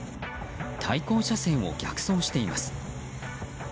対向車線を逆走しています。